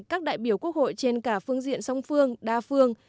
các đại biểu quốc hội trên cả phương diện song phương đa phương